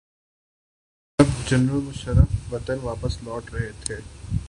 جب جنرل مشرف وطن واپس لوٹ رہے تھے۔